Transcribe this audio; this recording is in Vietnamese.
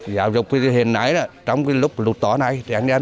giáo dục hiện nay trong lúc lụt tỏa này